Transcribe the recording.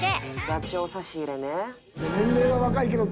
「座長差し入れね」